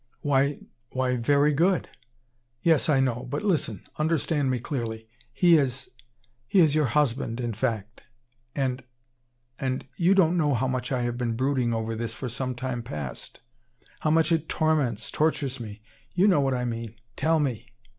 "Why why very good!" "Yes, I know. But listen understand me clearly. He is he is your husband, in fact and and you don't know how much I have been brooding over this for some time past how much it torments, tortures me. You know what I mean. Tell me!"